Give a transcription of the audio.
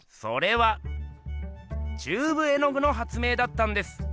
それはチューブ絵具の発明だったんです！